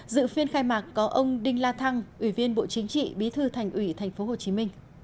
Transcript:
dự phiên khai mạc có ông đinh la thăng ủy viên bộ chính trị bí thư thành ủy tp hcm